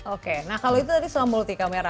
oke nah kalau itu tadi soal multi kamera